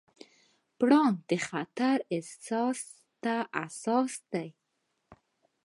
پړانګ د خطر احساس ته حساس دی.